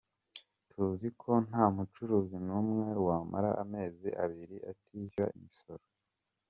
Tuzi ko nta mucuruzi n’umwe wamara amezi abiri atishyura imisoro.